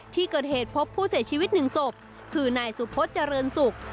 ที่เกิดเหตุพบผู้เสียชีวิตหนึ่งศพคือนายสุพศเจริญศุกร์